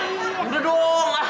nek udah dong